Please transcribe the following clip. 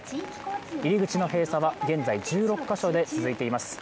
入り口の閉鎖は現在１６か所で続いています。